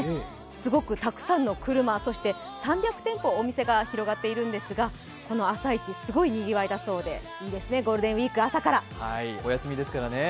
すごくたくさんの車、そして３００店舗のお店が広がっているんですがこの朝市、すごいにぎわいだそうでいいですね、お休みですからね。